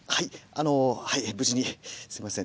あのはい無事にすいません